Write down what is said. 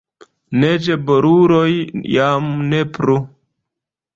Neĝboruloj jam ne plu.